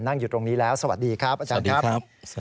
นั่งอยู่ตรงนี้แล้วสวัสดีครับอาจารย์ครับ